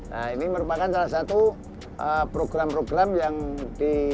nah ini merupakan salah satu program program yang di